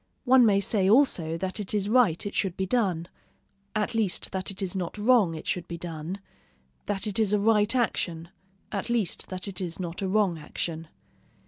One may say also that it is right it should be done, at least that it is not wrong it should be done; that it is a right action, at least that it is not a wrong action.